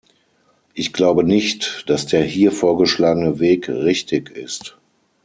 Ich glaube nicht, dass der hier vorgeschlagene Weg richtig ist.